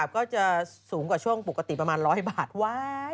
ก็จะสูงกว่าช่วงปกติประมาณ๑๐๐บาทไว้